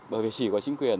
bởi vì chỉ có chính quyền